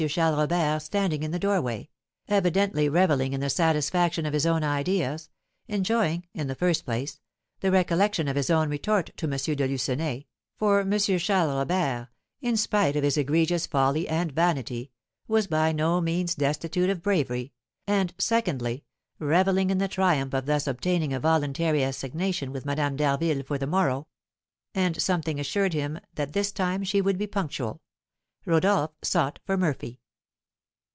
Charles Robert standing in the doorway, evidently revelling in the satisfaction of his own ideas; enjoying, in the first place, the recollection of his own retort to M. de Lucenay (for M. Charles Robert, spite of his egregious folly and vanity, was by no means destitute of bravery), and, secondly, revelling in the triumph of thus obtaining a voluntary assignation with Madame d'Harville for the morrow; and something assured him that this time she would be punctual. Rodolph sought for Murphy.